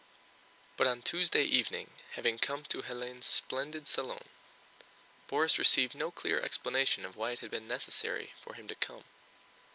But on Tuesday evening, having come to Hélène's splendid salon, Borís received no clear explanation of why it had been necessary for him to come.